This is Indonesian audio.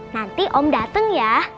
nanti om dateng ya